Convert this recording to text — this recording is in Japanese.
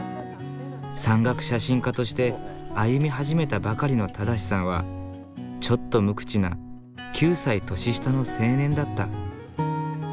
山岳写真家として歩み始めたばかりの正さんはちょっと無口な９歳年下の青年だった。